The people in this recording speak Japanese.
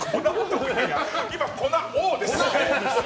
今、粉王です。